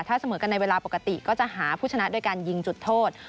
ถ้าเสมอกันในเวลาปกติก็จะหาผู้ชนะด้วยการยิงจุดโทษ